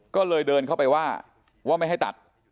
ก็เลยเดินเข้าไปว่าว่าไม่ให้ตัด